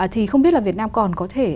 thì không biết là việt nam còn có thể